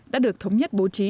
đã được thống nhất bố trí